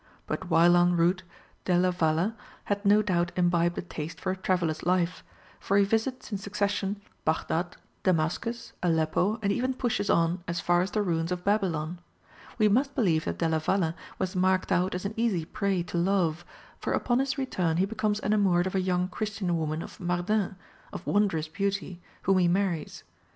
But while en route, Delia Valle had no doubt imbibed a taste for a traveller's life, for he visits in succession Baghdad, Damascus, Aleppo, and even pushes on as far as the ruins of Babylon. We must believe that Della Valle was marked out as an easy prey to love, for upon his return he becomes enamoured of a young Christian woman of Mardin, of wondrous beauty, whom he marries.